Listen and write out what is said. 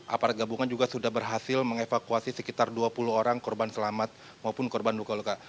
aparat gabungan juga sudah berhasil mengevakuasi sekitar dua puluh orang korban selamat maupun korban luka luka